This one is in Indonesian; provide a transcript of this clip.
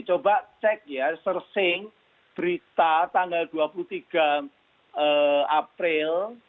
coba cek ya searching berita tanggal dua puluh tiga april